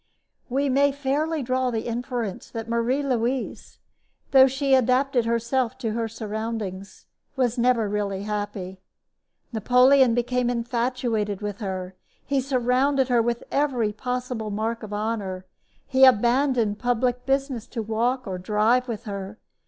We may fairly draw the inference that Marie Louise, though she adapted herself to her surroundings, was never really happy. Napoleon became infatuated with her. He surrounded her with every possible mark of honor. He abandoned public business to walk or drive with her.